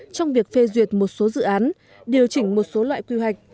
trong việc phê duyệt một số dự án điều chỉnh một số loại quy hoạch